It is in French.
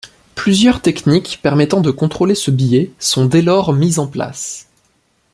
Plusieurs techniques permettant de contrôler ce biais sont dès lors mises en place.